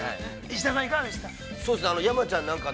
石田さん、いかがでしたか。